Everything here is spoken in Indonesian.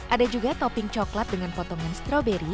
ada juga topping coklat dengan potongan stroberi